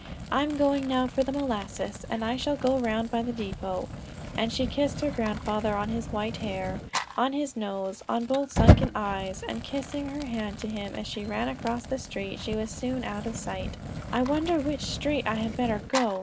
I'm going now for the molasses, and I shall go around by the depot;" and she kissed her grandfather on his white hair, on his nose, on both sunken eyes, and kissing her hand to him as she ran across the street, she was soon out of sight. "I wonder which street I would better go?"